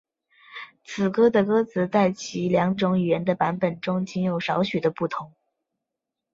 此歌的歌词在其两种语言的版本中仅有少许的不同。